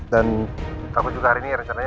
dan aku juga hari ini rencananya